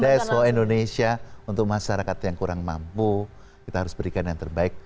⁇ show indonesia untuk masyarakat yang kurang mampu kita harus berikan yang terbaik